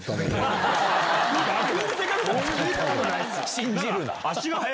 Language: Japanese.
信じるな！